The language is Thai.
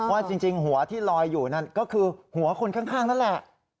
ว่าจริงหัวที่ลอยอยู่นั่นก็คือหัวคนข้างนั่นแหละ